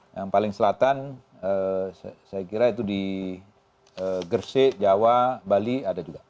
yang paling selatan saya kira itu di gersik jawa bali ada juga